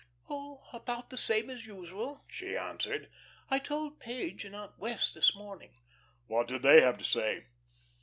"Oh, about the same as usual," she answered. "I told Page and Aunt Wess' this morning." "What did they have to say?"